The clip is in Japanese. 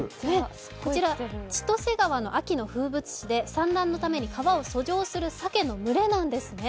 こちら千歳川の秋の風物詩で産卵のために川を遡上するサケの群れなんですね。